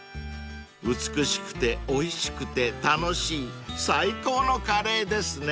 ［美しくておいしくて楽しい最高のカレーですね］